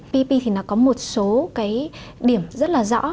ppp thì nó có một số cái điểm rất là rõ